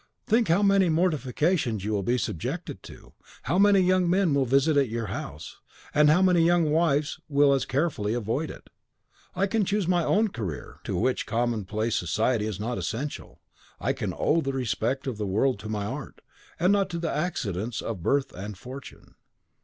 Think how many mortifications you will be subjected to; how many young men will visit at your house, and how many young wives will as carefully avoid it." "I can choose my own career, to which commonplace society is not essential. I can owe the respect of the world to my art, and not to the accidents of birth and fortune."